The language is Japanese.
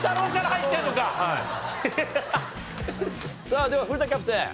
さあでは古田キャプテン。